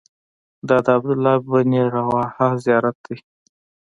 دا د عبدالله بن رواحه زیارت دی.